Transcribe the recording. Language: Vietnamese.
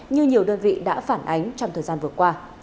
như nhiều đơn vị đã phản ánh trong thời gian vừa qua